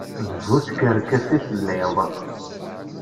D bu tkerkas i telliḍ.